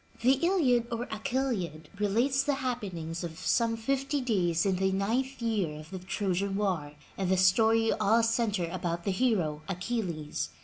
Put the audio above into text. The Iliad or Achilliad relates the happen ings of some fifty days in the ninth year of the Trojan War, and the story all center about the hero, Achilles.